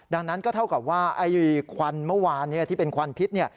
ดังนั้นก็เท่ากับว่าควันเมื่อวานที่เป็นควันพิษ